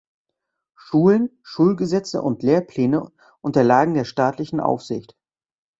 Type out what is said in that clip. Schulen, Schulgesetze und Lehrpläne unterlagen der staatlichen Aufsicht.